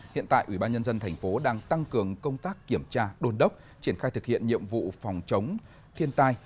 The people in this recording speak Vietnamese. hiện tại ủy ban nhân dân thành phố đang tăng cường công tác kiểm tra đôn đốc triển khai thực hiện nhiệm vụ phòng chống thiên tai